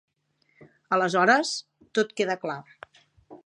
Aleshores, tot queda clar.